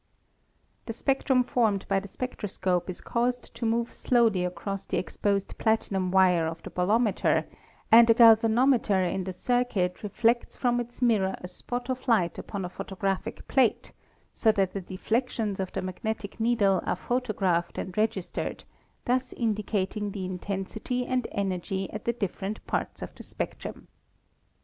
The spectrum formed by the spectroscope is caused to move slowly across the exposed platinum wire of the bolometer and a galvanometer in the circuit reflects from its mirror a spot of light upon a photographic plate, so that the deflections of the magnetic needle are photo graphed and registered, thus indicating the intensity and energy at the different parts of the spectrum.